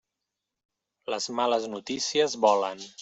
Les males notícies volen.